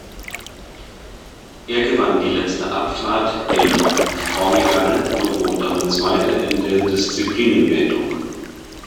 Er gewann die letzte Abfahrt in Formigal und wurde damit Zweiter in der Disziplinenwertung.